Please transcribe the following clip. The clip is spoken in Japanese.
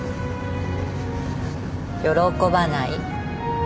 喜ばない。